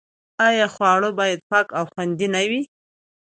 آیا خواړه باید پاک او خوندي نه وي؟